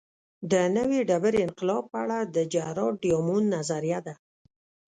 د نوې ډبرې انقلاب په اړه د جراډ ډیامونډ نظریه ده